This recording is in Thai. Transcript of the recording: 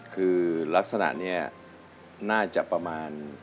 คือลักษณะนี้น่าจะประมาณ